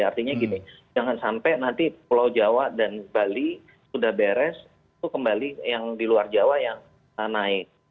artinya gini jangan sampai nanti pulau jawa dan bali sudah beres itu kembali yang di luar jawa yang naik